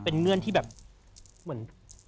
เป็นเงื่อนที่แบบเหมือน